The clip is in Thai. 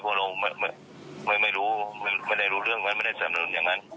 เพราะเราไม่ได้รู้เรื่องมันไม่ได้สำนักยนต์อย่างนั้น